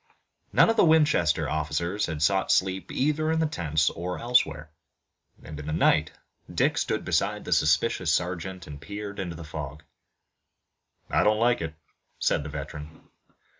None of the Winchester officers had sought sleep either in the tents or elsewhere, and, in the night, Dick stood beside the suspicious sergeant and peered into the fog. "I don't like it," said the veteran.